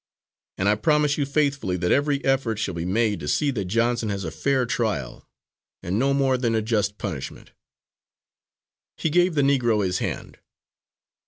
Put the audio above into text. And I promise you faithfully that every effort shall be made to see that Johnson has a fair trial and no more than a just punishment." He gave the Negro his hand.